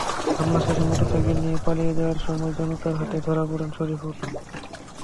হামলা শেষে মোটরসাইকেল নিয়ে পালিয়ে যাওয়ার সময় জনতার হাতে ধরা পড়েন শরিফুল।